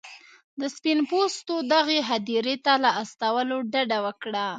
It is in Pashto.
د سپین پوستو دغې هدیرې ته له استولو ډډه وکړه.